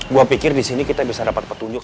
gue pikir disini kita bisa dapet petunjuk